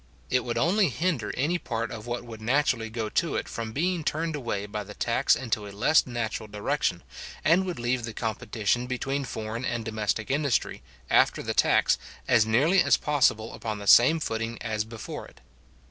It would only hinder any part of what would naturally go to it from being turned away by the tax into a less natural direction, and would leave the competition between foreign and domestic industry, after the tax, as nearly as possible upon the same footing as before it.